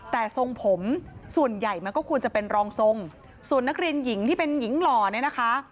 แต่ทรงผมส่วนใหญ่มันก็ควรจะเป็นรองทรงส่วนนักเรียนหญิงที่เป็นหญิงหล่อเนี่ยนะคะ